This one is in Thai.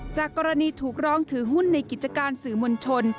จากกรณีถูกร้องถือหุ้นในกิจการสื่อมวลชน